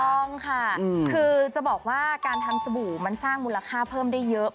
ต้องค่ะคือจะบอกว่าการทำสบู่มันสร้างมูลค่าเพิ่มได้เยอะ